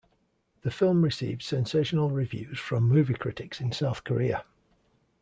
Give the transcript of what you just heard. The film received sensational reviews from movie critics in South Korea.